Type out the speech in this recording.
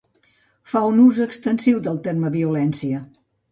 Fa un ús extensiu del terme violència.